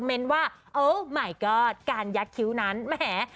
มันว่าโอ้มายก็อดการยัดคิวนั้นแหม